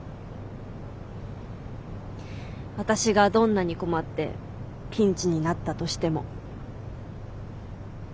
私がどんなに困ってピンチになったとしても。